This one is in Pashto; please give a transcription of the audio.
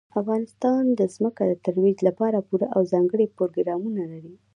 افغانستان د ځمکه د ترویج لپاره پوره او ځانګړي پروګرامونه لري.